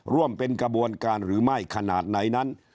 ร่วมเป็นกระบวนการหรือไม่ขนาดไหนนั้น